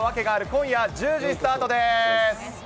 今夜１０時スタートです。